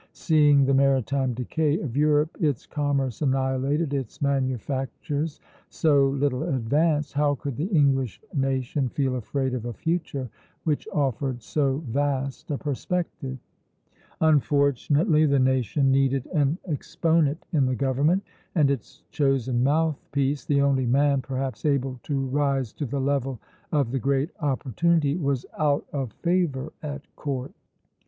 Seeing the maritime decay of Europe, its commerce annihilated, its manufactures so little advanced, how could the English nation feel afraid of a future which offered so vast a perspective?" Unfortunately the nation needed an exponent in the government; and its chosen mouthpiece, the only man, perhaps, able to rise to the level of the great opportunity, was out of favor at court.